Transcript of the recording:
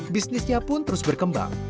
bisnisnya pun terus berkembang